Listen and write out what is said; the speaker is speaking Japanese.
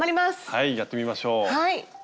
はいやってみましょう。